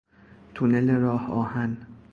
تونل راهآهن